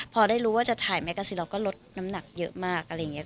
พอได้รู้ว่าจะถ่ายแมกกาซีเราก็ลดน้ำหนักเยอะมากอะไรอย่างนี้